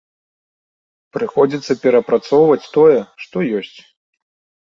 Прыходзіцца перапрацоўваць тое, што ёсць.